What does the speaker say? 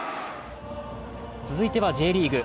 続いてはＪリーグ。